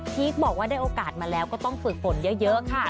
คบอกว่าได้โอกาสมาแล้วก็ต้องฝึกฝนเยอะค่ะ